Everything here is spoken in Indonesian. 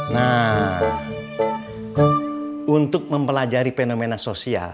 nah untuk mempelajari fenomena sosial